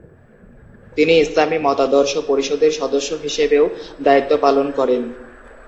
তিনি ইসলামী মতাদর্শ পরিষদের সদস্য হিসেবেও দায়িত্ব পালন করেন।